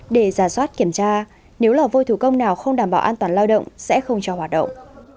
để giả soát kiểm tra nếu là vôi thủ công nào không đảm bảo an toàn lao động sẽ không cho hoạt động